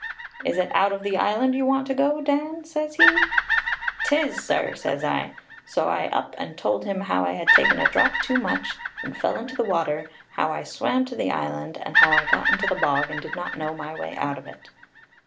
'Is it out of the island you want to go, Dan?' says he. ''Tis, sir,' says I: so I up and told him how I had taken a drop too much, and fell into the water; how I swam to the island; and how I got into the bog and did not know my way out of it.